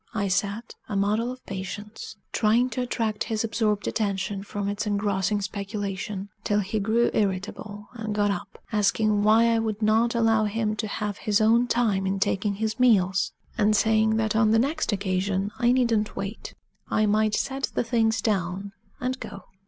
I sat, a model of patience, trying to attract his absorbed attention from its engrossing speculation till he grew irritable and got up, asking why I would not allow him to have his own time in taking his meals? and saying that on the next occasion I needn't wait I might set the things down and go.